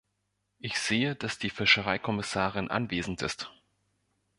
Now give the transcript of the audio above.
Ich sehe, dass die Fischereikommissarin anwesend ist.